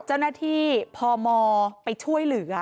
เจ้าหน้าที่พมไปช่วยเหลือ